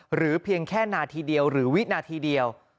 เพียงแค่นาทีเดียวหรือวินาทีเดียว